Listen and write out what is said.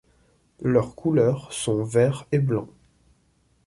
Leurs couleurs sont vert et blanc.